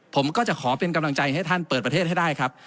ผมก็จะขอเป็นกำลังใจให้ท่านเปิดประเทศให้ได้ครับ